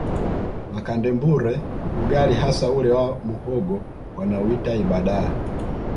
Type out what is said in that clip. Makande Mbure ugali hasa ule wa muhogo wanauita ibadaa